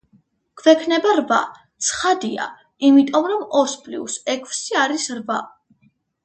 გვექნება რვა, ცხადია, იმიტომ რომ ორს პლიუს ექვსი არის რვა.